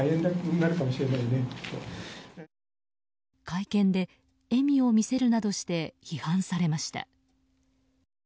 会見で笑みを見せるなどして批判されました。